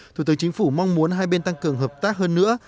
thủ tướng chính phủ mong muốn hai bên tăng cường hợp tác hơn nữa